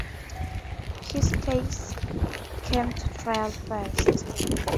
His case came to trial first.